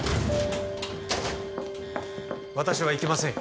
私は行きませんよ